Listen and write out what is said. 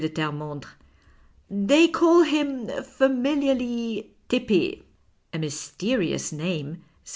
de Terremondre ;" they call him, famiUarly, Tepe." " A mysterious name," said M.